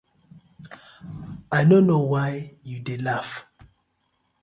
I no no wai yu dey laff.